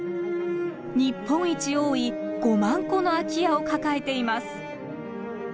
日本一多い５万戸の空き家を抱えています。